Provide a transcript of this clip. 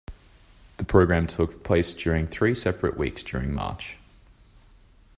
The program took place during three separate weeks during March.